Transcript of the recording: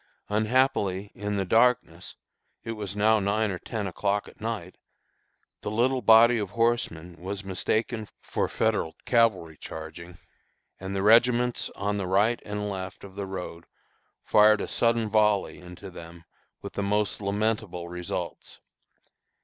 Unhappily, in the darkness it was now nine or ten o'clock at night the little body of horsemen was mistaken for Federal cavalry charging, and the regiments on the right and left of the road fired a sudden volley into them with the most lamentable results.